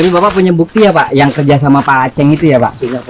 bapak punya bukti ya pak yang kerja sama pak aceng itu ya pak